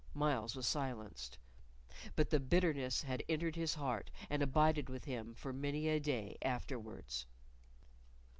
Myles was silenced, but the bitterness had entered his heart, and abided with him for many a day afterwards.